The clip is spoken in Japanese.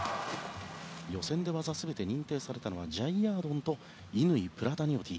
予選で技を全て認定されたのはジャイヤードンと乾、プラタニオティ。